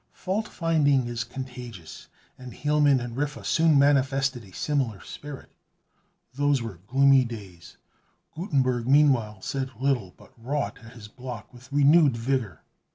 Fault finding is contagious; and Hielman and Riffe soon manifested a similar spirit. Those were gloomy days. Gutenberg meanwhile said little, but wrought at his block with renewed vigor.